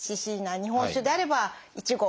日本酒であれば１合。